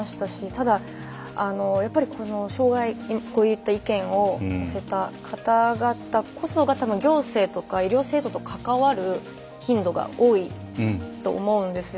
ただこういった意見を寄せた方々こそが多分行政とか医療制度とかかわる頻度が多いと思うんですよね。